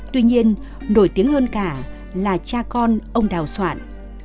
tuy nhiên nổi tiếng hơn cả là cha con ông đào soạn